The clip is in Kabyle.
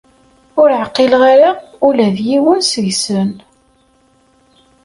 Ur ɛqileɣ ara ula d yiwen seg-sen.